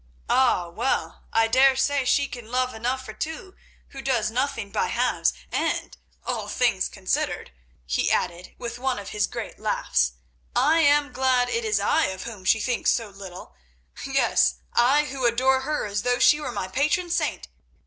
"Ah, well, I daresay she can love enough for two who does nothing by halves, and, all things considered," he added, with one of his great laughs, "I am glad it is I of whom she thinks so little—yes, I who adore her as though she were my patron saint.